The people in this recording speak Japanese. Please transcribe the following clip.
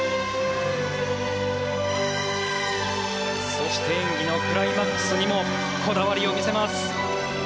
そして演技のクライマックスにもこだわりを見せます。